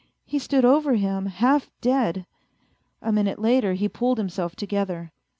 He stood over him, half dead. A minute later he pulled himself together.